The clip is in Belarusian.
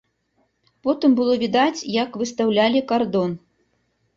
Потым было відаць, як выстаўлялі кардон.